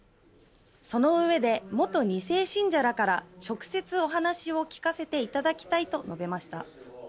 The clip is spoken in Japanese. そのうえで元２世信者らから直接お話を聞かせていただきたいと述べました。